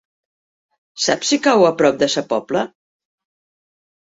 Saps si cau a prop de Sa Pobla?